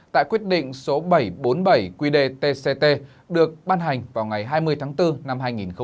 tại quyết định số bảy trăm bốn mươi bảy qdtct được ban hành vào ngày hai mươi tháng bốn năm hai nghìn hai mươi